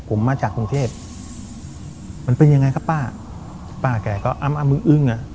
ผมมาจากกรุงเทพมันเป็นยังไงครับป้าป้าแกก็อ้ำอ้ำมึงอึ้งอ่ะ